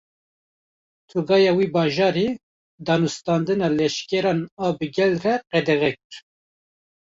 Tugaya wî bajarî, danûstandina leşkeran a bi gel re qedexe kir